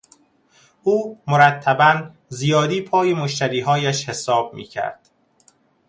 او مرتبا زیادی پای مشتریهایش حساب میکرد.